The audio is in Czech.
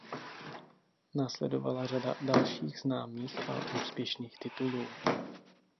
Následovala řada dalších známých a úspěšných titulů.